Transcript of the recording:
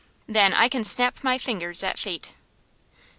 Then I can snap my fingers at fate."